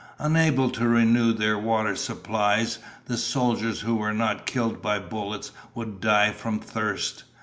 Unable to renew their water supplies, the soldiers who were not killed by bullets would die from thirst.